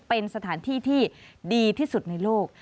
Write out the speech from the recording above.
เป็นสถานที่ที่ดีที่สุดในโลก